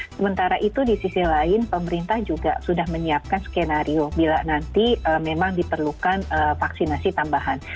sementara itu di sisi lain pemerintah juga sudah menyiapkan skenario bila nanti memang diperlukan vaksinasi tambahan